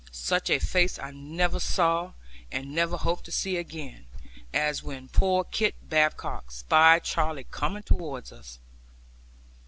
Such a face I never saw, and never hope to see again, as when poor Kit Badcock spied Charley coming towards us.